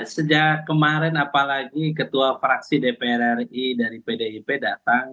sejak kemarin apalagi ketua fraksi dpr ri dari pdip datang